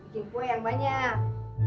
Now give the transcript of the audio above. bikin kue yang banyak